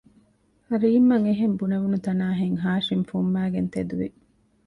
ރީމްއަށް އެހެން ބުނެވުނުތަނާހެން ހާޝިމް ފުންމައިގެން ތެދުވި